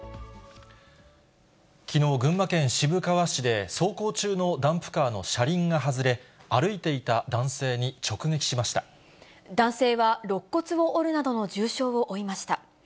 きのう、群馬県渋川市で、走行中のダンプカーの車輪が外れ、歩いていた男男性はろっ骨を折るなどの重傷を負いました。